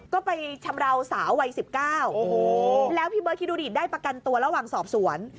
ก็ไปชำราวสาววัย๑๙แล้วพี่เบิร์ดคิดดูดิได้ประกันตัวระหว่างสอบสวน